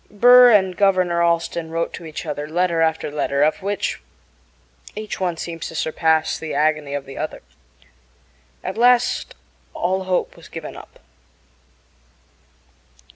Burr and Governor Allston wrote to each other letter after letter, of which each one seems to surpass the agony of the other. At last all hope was given up.